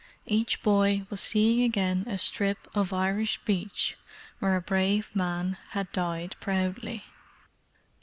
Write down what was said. Each boy was seeing again a strip of Irish beach where a brave man had died proudly.